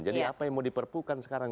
jadi apa yang mau diperpukan sekarang